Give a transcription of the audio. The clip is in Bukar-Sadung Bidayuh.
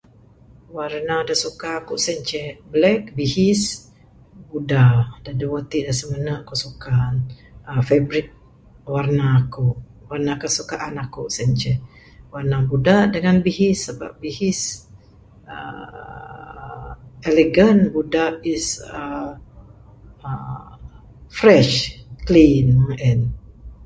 Warna da suka sien ceh black bihis buda...da duweh ti da simene ku suka ne... favorite warna aku...warna kesukaan aku sien ceh warna buda dangan bihis sabab bihis uhh elegant buda is uhh fresh clean meng en.